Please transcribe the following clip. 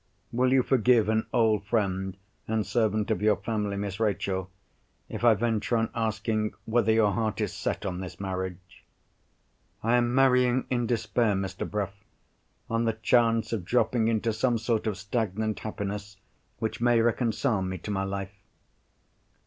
"Will you forgive an old friend and servant of your family, Miss Rachel, if I venture on asking whether your heart is set on this marriage?" "I am marrying in despair, Mr. Bruff—on the chance of dropping into some sort of stagnant happiness which may reconcile me to my life."